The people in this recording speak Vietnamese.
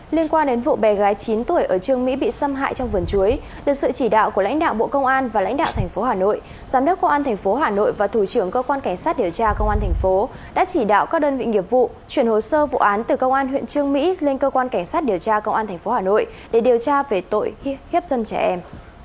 liên quan đến vụ bé gái chín tuổi ở trương mỹ bị xâm hại trong vườn chuối được sự chỉ đạo của lãnh đạo bộ công an và lãnh đạo thành phố hà nội giám đốc công an tp hà nội và thủ trưởng cơ quan cảnh sát điều tra công an thành phố đã chỉ đạo các đơn vị nghiệp vụ chuyển hồ sơ vụ án từ công an huyện trương mỹ lên cơ quan cảnh sát điều tra công an tp hà nội để điều tra về tội hiếp dâm trẻ em